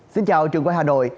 xin chào trường quay hà nội